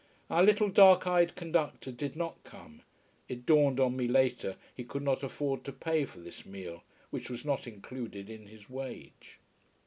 Our little dark eyed conductor did not come. It dawned on me later he could not afford to pay for this meal, which was not included in his wage.